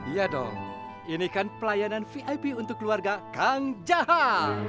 iya dong ini kan pelayanan vip untuk keluarga kang jahat